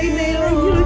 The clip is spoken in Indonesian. eva kamu bangun ma